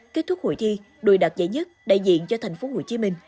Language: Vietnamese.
kết thúc hội thi đội đạt giải nhất đại diện cho thành phố hồ chí minh